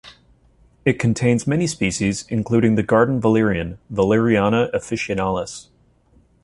It contains many species, including the garden valerian, "Valeriana officinalis".